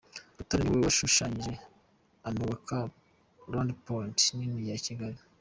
Rutare ni we washushanyije anubaka Rond-point nini ya Kigali.